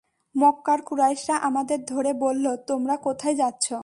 মক্কার কুরাইশরা আমাদের ধরে বলল, তোমরা কোথায় যাচ্ছো?